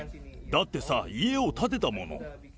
だってさ、家を建てたもの。